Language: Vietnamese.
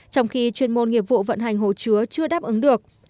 trong khi chuyên môn nghiệp vụ vận hành hồ chứa chưa đáp ứng được